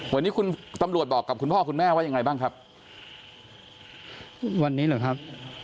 วันนี้คุณตำรวจบอกกับคุณพ่อคุณแม่ว่ายังไงบ้างครับวันนี้เหรอครับ